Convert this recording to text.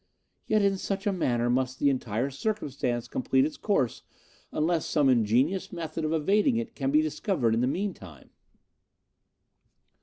Yet in such a manner must the entire circumstance complete its course unless some ingenious method of evading it can be discovered in the meantime.